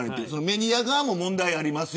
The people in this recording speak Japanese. メディア側も問題あります